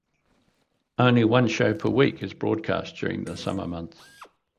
Only one show per week is broadcast during the summer months.